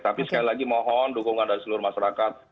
tapi sekali lagi mohon dukungan dari seluruh masyarakat